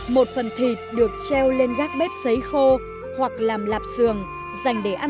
một phần thịt được treo lên gác bếp xấy khô hoặc làm lạp sườn dành để ăn